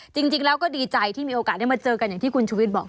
จริงแล้วก็ดีใจที่มีโอกาสได้มาเจอกันอย่างที่คุณชุวิตบอก